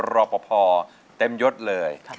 รอปภเต็มยดเลย